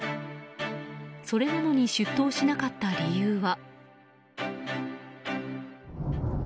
それなのに出頭しなかった理由は。